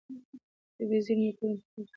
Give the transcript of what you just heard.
طبیعي زېرمې د ټولنې د پرمختګ لپاره مهمې دي.